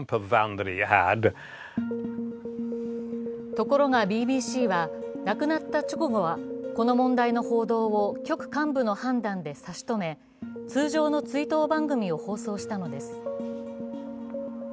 ところがＢＢＣは亡くなった直後はこの問題の報道を局幹部の判断で差し止め通常の追悼番組を放送したのです。